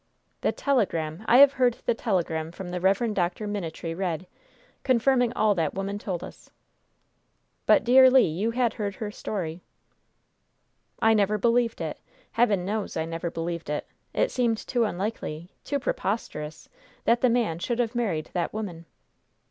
"The telegram! I have heard the telegram from the Rev. Dr. Minitree read, confirming all that woman told us!" "But, dear Le, you had heard her story!" "I never believed it. Heaven knows, I never believed it! It seemed too unlikely, too preposterous, that the man should have married that woman!"